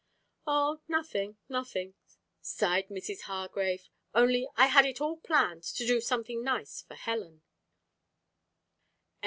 "Oh, nothing, nothing!" sighed Mrs. Hargrave. "Only I had it all planned to do something nice for Helen."